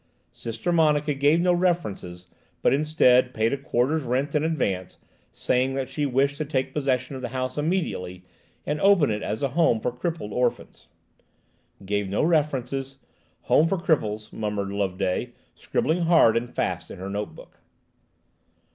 Sister Monica gave no references, but, instead, paid a quarter's rent in advance, saying that she wished to take possession of the house immediately, and open it as a home for crippled orphans." "Gave no references–home for cripples," murmured Loveday, scribbling hard and fast in her note book.